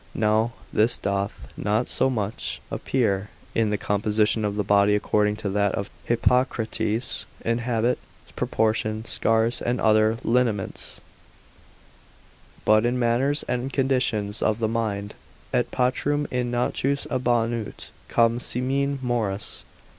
Now this doth not so much appear in the composition of the body, according to that of Hippocrates, in habit, proportion, scars, and other lineaments; but in manners and conditions of the mind, Et patrum in natos abeunt cum semine mores.